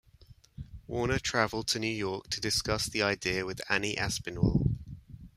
Warner traveled to New York to discuss the idea with Annie Aspinwall.